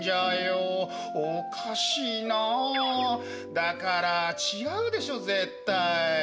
だから違うでしょ絶対。